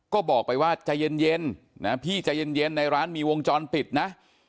ก็บอกไปว่าใจเย็นนะพี่ใจเย็นในร้านมีวงจรปิดนะ